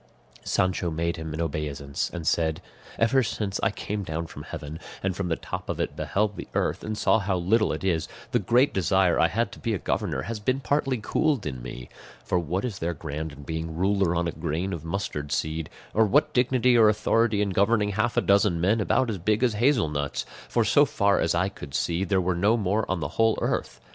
Sancho made him an obeisance, and said, "Ever since I came down from heaven, and from the top of it beheld the earth, and saw how little it is, the great desire I had to be a governor has been partly cooled in me; for what is there grand in being ruler on a grain of mustard seed, or what dignity or authority in governing half a dozen men about as big as hazel nuts; for, so far as I could see, there were no more on the whole earth?